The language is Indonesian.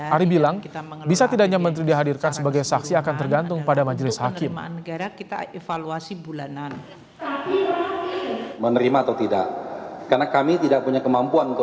ari bilang bisa tidaknya menteri dihadirkan sebagai saksi akan tergantung pada majelis hakim